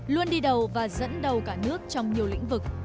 luôn đi đầu và dẫn đầu cả nước trong nhiều lĩnh vực